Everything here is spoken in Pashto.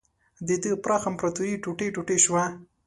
د ده پراخه امپراتوري ټوټې ټوټې شوه.